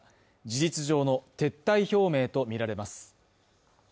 事実上の撤退表明とみられます。